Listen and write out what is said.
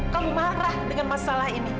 kamu marah dengan masalah ini